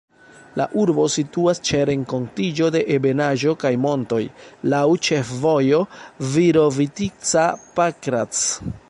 La urbo situas ĉe renkontiĝo de ebenaĵo kaj montoj, laŭ ĉefvojo Virovitica-Pakrac.